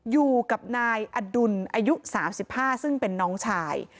อยู่กับนายอดุลอายุ๓๕ซึ่งเป็นน้องชาย